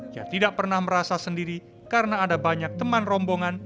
dia tidak pernah merasa sendiri karena ada banyak teman rombongan